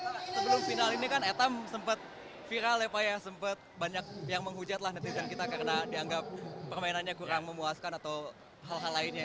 pak sebelum final ini kan etam sempat viral ya pak ya sempat banyak yang menghujat lah netizen kita karena dianggap permainannya kurang memuaskan atau hal hal lainnya